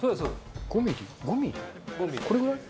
これぐらい？